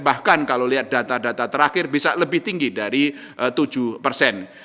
bahkan kalau lihat data data terakhir bisa lebih tinggi dari tujuh persen